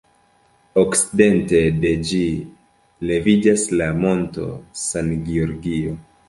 Okcidente de ĝi leviĝas la Monto San Giorgio.